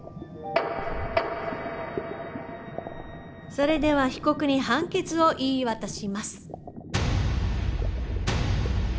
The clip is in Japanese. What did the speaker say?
それでは被告に判決を言い渡します。